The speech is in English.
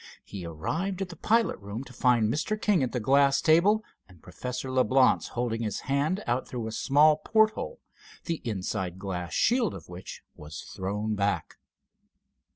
He arrived at the pilot room to find Mr. King at the glass table and Professor Leblance holding his hand out through a small porthole, the inside glass shield of which was thrown back.